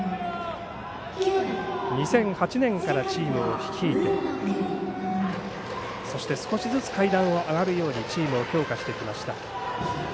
２００８年からチームを率いてそして少しずつ階段を上がるようにチームを強化してきました。